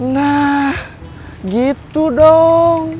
nah gitu dong